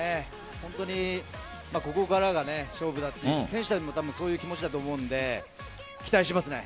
本当にここからが勝負だということで選手たちもそういう気持ちだと思うので期待しています。